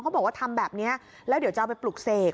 บอกว่าทำแบบนี้แล้วเดี๋ยวจะเอาไปปลุกเสก